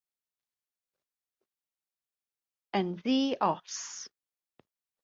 Yn ddi-os!